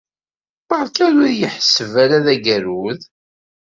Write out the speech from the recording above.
Beṛka ur iyi-ḥesseb ara d agerrud.